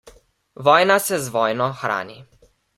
Vojna se z vojno hrani.